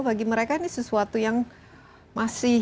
bagi mereka ini sesuatu yang masih